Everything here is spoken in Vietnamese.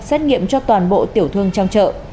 xét nghiệm cho toàn bộ tiểu thương trong chợ